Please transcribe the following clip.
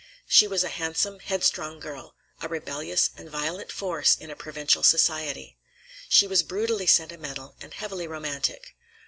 She was a handsome, headstrong girl, a rebellious and violent force in a provincial society. She was brutally sentimental and heavily romantic.